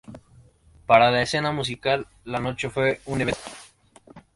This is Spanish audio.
Para la escena musical, la noche fue un evento.